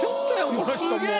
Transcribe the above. この人もう。